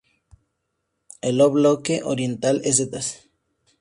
El bloque oriental es de tres plantas.